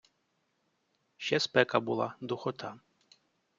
Ще спека була, духота.